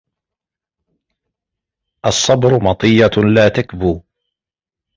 الصَّبْرُ مَطِيَّةٌ لَا تَكْبُو